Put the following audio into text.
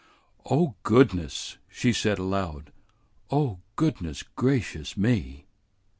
"Oh, goodness!" she said aloud. "Oh, goodness gracious me!"